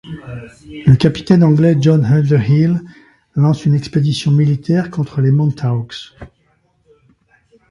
Le capitaine anglais John Underhill lance une expédition militaire contre les Montauks.